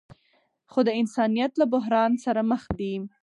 خو د انسانیت له بحران سره مخ دي.